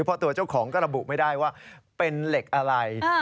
เพราะตัวเจ้าของก็ระบุไม่ได้ว่าเป็นเหล็กอะไร